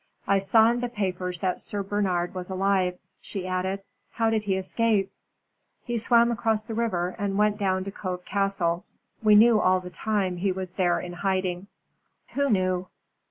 I saw in the papers that Sir Bernard was alive," she added; "how did he escape?" "He swam across the river and went down to Cove Castle. We knew all the time he was there in hiding." "Who knew?"